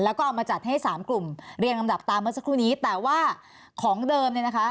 แล้วก็เอามาจัดให้สามกลุ่มเรียงลำดับตามเมื่อสักครู่นี้แต่ว่าของเดิมเนี่ยนะคะ